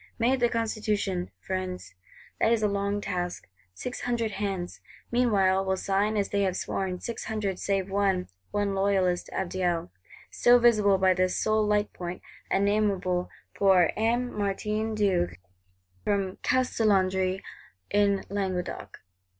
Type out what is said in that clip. Made the Constitution, Friends! That is a long task. Six hundred hands, meanwhile, will sign as they have sworn: six hundred save one; one Loyalist Abdiel, still visible by this sole light point, and nameable, poor "M. Martin d'Auch, from Castelnaudary, in Languedoc."